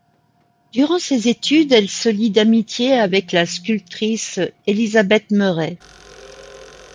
Durant ses études, elle se lie d'amitié avec la sculptrice Elizabeth Murray.